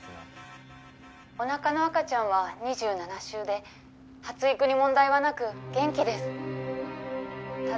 お腹の赤ちゃんは２７週で発育に問題はなく元気です。